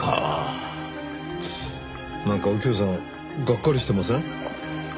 なんか右京さんがっかりしてません？